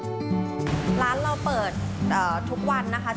ร้านเราเปิดทุกวันนะคะ